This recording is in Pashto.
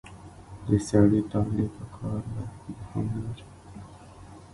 د سړي طالع په کار ده نه هنر.